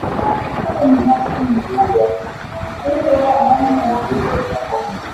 Hapa ni nafasi nzuri ya kuchanganya likizo ya pwani